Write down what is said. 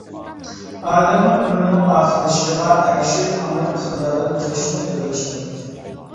ئادەمنىڭ ئۆمرىنىڭ ئاخىرلىشىشىغا ئەگىشىپ ئاڭلاش ئىقتىدارىدىن قېلىشمۇ ئېغىرلىشىپ بارىدىكەن.